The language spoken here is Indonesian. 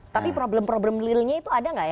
tapi problem problem realnya itu ada gak